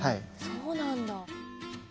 そうなんだ。